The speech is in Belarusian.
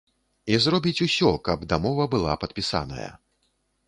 І зробіць усё, каб дамова была падпісаная.